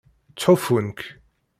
Ttḥufun-k.